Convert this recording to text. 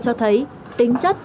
cho thấy tính chất